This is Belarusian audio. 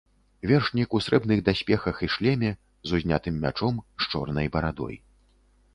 Вершнік у срэбных даспехах і шлеме, з узнятым мячом, з чорнай барадой.